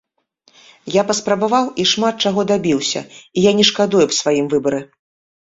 Я паспрабаваў і шмат чаго дабіўся, і я не шкадую аб сваім выбары.